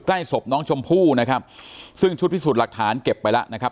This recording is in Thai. ใกล้ศพน้องชมพู่นะครับซึ่งชุดพิสูจน์หลักฐานเก็บไปแล้วนะครับ